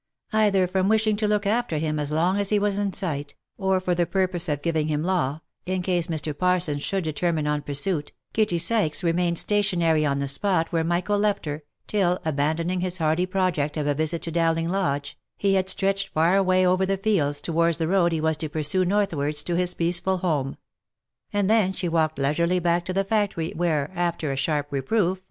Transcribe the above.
Either from wishing to look after him as ong as he was in sight, or for the purpose of giving him law, in case Mr. Parsons should de termine on pursuit, Kitty Sykes remained stationary on the spot where Michael left her, till, abandoning his hardy project of a visit to Dowling Lodge, he had stretched far away over the fields towards the road he was to pursue northwards to his peaceful home ; and then she walked leisurely back to the factory, where, after a sharp reproof fo.